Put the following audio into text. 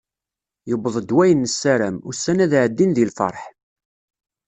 Yewweḍ-d wayen nessaram, ussan ad ɛeddin di lferḥ.